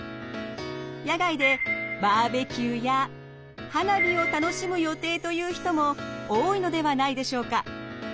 野外でバーベキューや花火を楽しむ予定という人も多いのではないでしょうか。